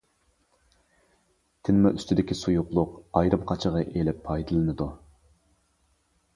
تىنما ئۈستىدىكى سۇيۇقلۇق ئايرىم قاچىغا ئېلىپ پايدىلىنىدۇ.